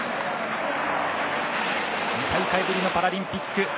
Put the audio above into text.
２大会ぶりのパラリンピック。